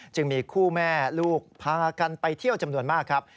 จึงมีคู่แม่ลูกพากันไปเที่ยวจำนวนมากครับ